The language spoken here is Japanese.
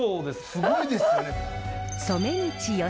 すごいですね。